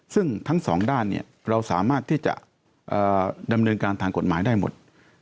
ซึ่งทั้งสองด้านเราสามารถที่จะดำเนินการทางกฎหมายได้หมด